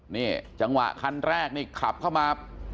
นี่จังหวะคันแรกนี่ขับเข้ามา